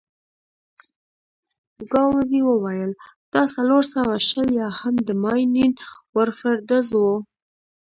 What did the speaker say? ګاووزي وویل: دا څلور سوه شل یا هم د ماينين ورفر ډز وو.